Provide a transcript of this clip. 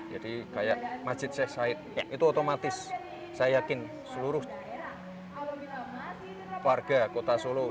jadi seperti masjid syekh said itu otomatis saya yakin seluruh warga kota solo